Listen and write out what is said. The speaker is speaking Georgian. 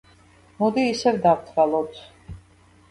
მოდი ისევ დავთვალოთ.